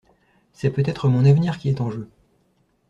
C'est peut-être mon avenir qui est en jeu.